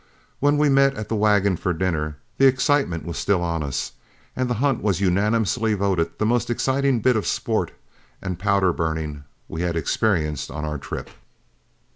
When we met at the wagon for dinner, the excitement was still on us, and the hunt was unanimously voted the most exciting bit of sport and powder burning we had experienced on our trip.